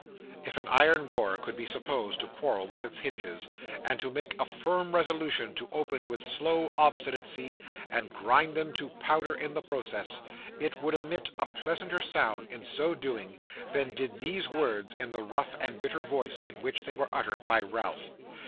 If an iron door could be supposed to quarrel with its hinges, and to make a firm resolution to open with slow obstinacy, and grind them to powder in the process, it would emit a pleasanter sound in so doing, than did these words in the rough and bitter voice in which they were uttered by Ralph.